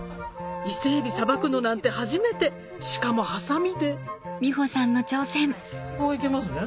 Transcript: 伊勢海老さばくのなんて初めてしかもハサミでここをいきますね。